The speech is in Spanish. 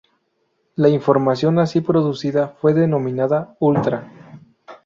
La información así producida fue denominada "Ultra".